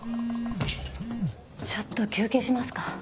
ちょっと休憩しますか。